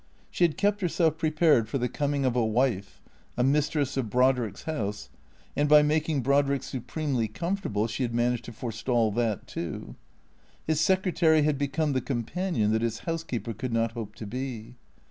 She had kept herself prepared for the coming of a wife, a mistress of Brodrick's house, and by making Brodrick supremely comfortable she had managed to forestall that too. His sec retary had become the companion that his housekeeper could not hope to be.